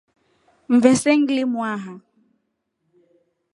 Mvese nglimwaha.